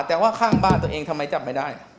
แต่ว่าข้างบ้านตัวเองทำไมจับไม่ได้